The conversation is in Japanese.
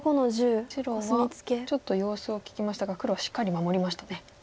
白はちょっと様子を聞きましたが黒はしっかり守りましたね。